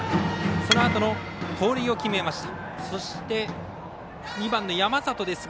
そのあとの盗塁を決めました。